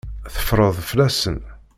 Teffreḍ fell-asen.